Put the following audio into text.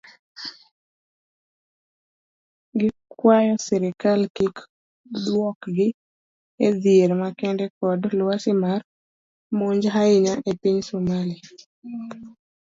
Gikwayo sirkal kik duokogi edhier makende kod lwasi mar monj ahinya epiny somalia.